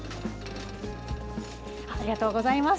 ありがとうございます。